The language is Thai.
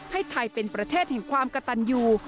ให้ไทยเป็นประเทศแห่งความกระตันอยู่